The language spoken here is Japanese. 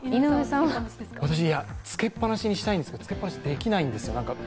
私、つけっぱなしにしたいんですけど、つけっぱなしにできないんですよ。